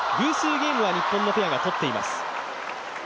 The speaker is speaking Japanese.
ゲームは日本のペアがとっています。